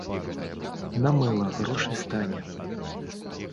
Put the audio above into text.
На мыла грошай стане.